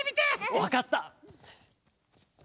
わかった！